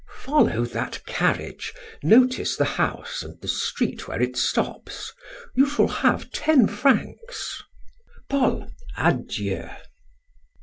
"Follow that carriage, notice the house and the street where it stops you shall have ten francs.... Paul, adieu."